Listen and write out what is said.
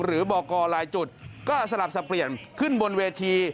หรือบอกกรลายจุดก็สลับสับเปลี่ยนขึ้นบนเวที